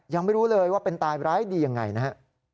ยังไม่รู้เลยว่าเป็นตายร้ายดียังไงนะฮะ